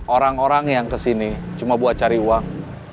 orang orang yang kesini cuma buat cari uang